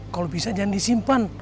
kalau bisa jangan di simpan